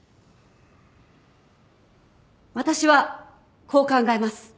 私はこう考えます。